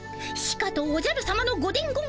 しかとおじゃるさまのご伝言